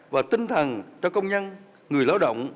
và tinh thần cho công nhân người lao động